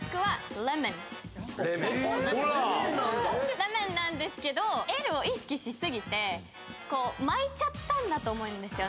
「Ｌｅｍｏｎ」なんですけど「ｌ」を意識し過ぎて巻いちゃったんだと思うんですよ